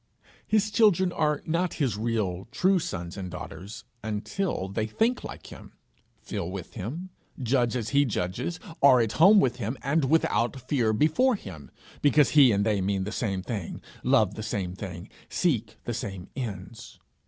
His children are not his real, true sons and daughters until they think like him, feel with him, judge as he judges, are at home with him, and without fear before him because he and they mean the same thing, love the same things, seek the same ends.